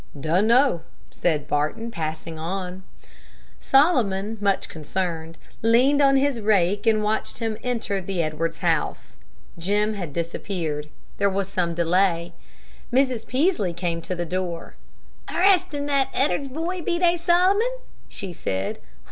"Dunno," said Barton, passing on. Solomon, much concerned, leaned on his rake and watched him enter the Edwards house. Jim had disappeared; there was some delay. Mrs. Peaslee came to the door. "Arrestin' that Ed'ards boy, be they, Solomon?" she said.